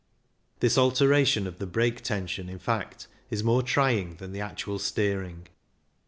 This alteration of the brake tension, in fact, is more trying than the actual steering.